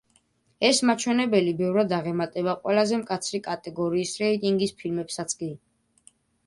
ეს მაჩვენებელი ბევრად აღემატება ყველაზე მკაცრი კატეგორიის რეიტინგის ფილმებსაც კი.